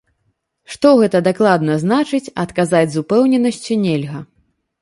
Што гэта дакладна значыць, адказаць з упэўненасцю нельга.